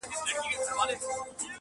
خدایه ما خپل وطن ته بوزې-